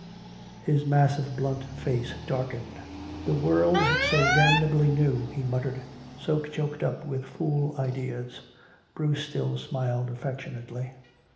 His massive blunt face darkened. "The world's so damnably new," he muttered, "so choked up with fool ideas." Bruce still smiled affectionately.